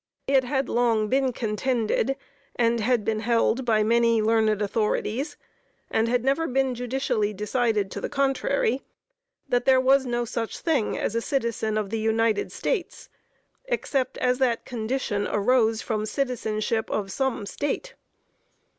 It had long been contended, and had been held by many learned authorities, and had never been judicially decided to the contrary, that there was no such thing as a citizen of the United States, except as that condition arose from citizenship of some State.